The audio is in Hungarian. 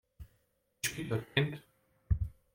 És mi történt?